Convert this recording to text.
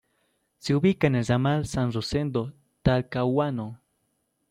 Se ubica en el ramal San Rosendo-Talcahuano.